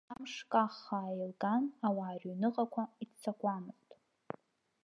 Амш каххаа еилган, ауаа рыҩныҟақәа иццакуамызт.